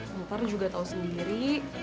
mampar juga tau sendiri